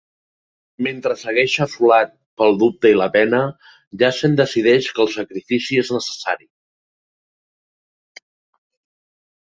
Mentre segueix assolat pel dubte i la pena, Jacen decideix que el sacrifici és necessari.